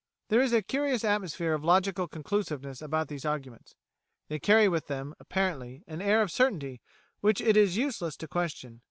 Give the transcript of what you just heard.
There is a curious atmosphere of logical conclusiveness about these arguments. They carry with them, apparently, an air of certainty which it is useless to question.